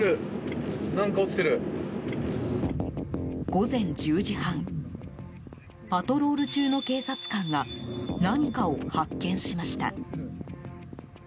午前１０時半パトロール中の警察官が何かを発見しました。